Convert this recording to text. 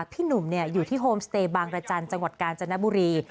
พี่หนุ่มอยู่ที่โฮมสเตย์บางรจันทร์จังหวัดกาญจนบุรี